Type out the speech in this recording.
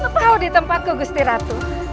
tahu di tempatku gusti ratu